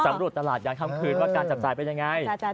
ตำรวจตลาดยามค่ำคืนว่าการจับจ่ายเป็นยังไง